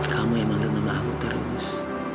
kamu yang manggil nama aku terus